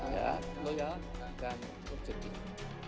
ya loyal dan berjegi